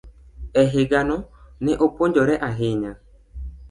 e higano, ne opuonjore ahinya.